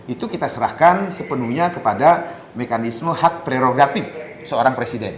itu kita serahkan sepenuhnya kepada mekanisme hak prerogatif seorang presiden